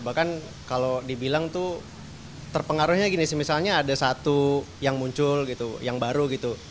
bahkan kalau dibilang tuh terpengaruhnya gini sih misalnya ada satu yang muncul gitu yang baru gitu